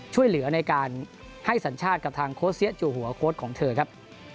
ช่วยเหลือในการให้สัญชาติกับทางโค้เซียจูหัวโค้ดของเธอครับ